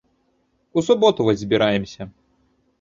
У суботу вось збіраемся.